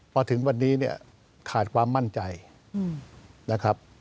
พอถึงวันนี้เนี่ยขาดความมั่นใจนะครับ